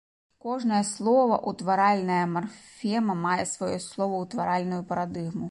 Кожная словаўтваральная марфема мае сваю словаўтваральную парадыгму.